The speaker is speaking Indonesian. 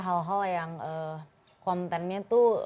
hal hal yang kontennya tuh